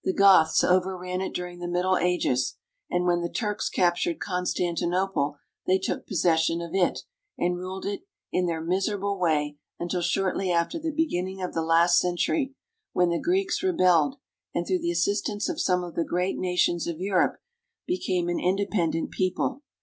Goths overran it during the Middle Ages ; and when the Turks captured Constantinople they took possession of it, and ruled it in their miserable way until shortly after the beginning of the last century, when the Greeks rebelled, and through the assistance of some of the great nations of Europe again became an independent people.